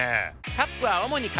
カップは主に紙。